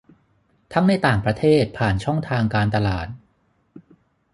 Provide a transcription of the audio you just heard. ทั้งในต่างประเทศผ่านช่องทางการตลาด